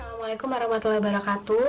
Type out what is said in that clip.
assalamualaikum warahmatullahi wabarakatuh